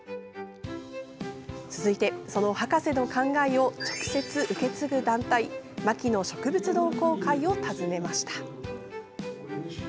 続いて、その博士の考えを直接受け継ぐ団体牧野植物同好会を訪ねました。